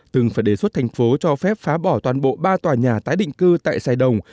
từng phải đề xuất thành phố cho phép phá bỏ toàn bộ ba tòa nhà tái định cư tại sài đồng